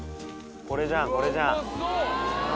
これじゃんこれじゃんうわ